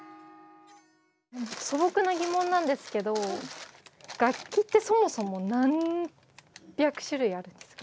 素朴な疑問なんですけど楽器ってそもそも何百種類あるんですか？